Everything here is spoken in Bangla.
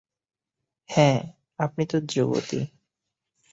হ্যাঁঁ আপনি তো যুবতী।